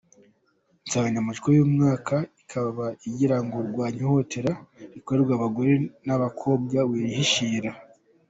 Insanganyamatsiko y’uyu mwaka ikaba yaragiraga iti “Rwanya ihohoterwa rikorerwa abagore n’abakobwa wirihishira.